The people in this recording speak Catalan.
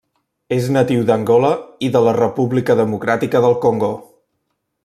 És natiu d'Angola i de la República Democràtica del Congo.